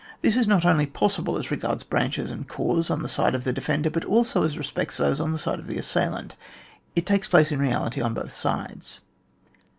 This is not only possible as re* gards branches and corps on the side of the defender, but also as respects those on the side of the assailant ; it takes plaoe in reality on both sides.